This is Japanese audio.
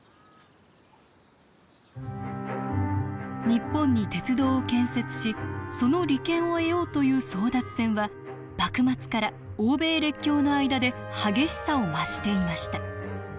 日本に鉄道を建設しその利権を得ようという争奪戦は幕末から欧米列強の間で激しさを増していました。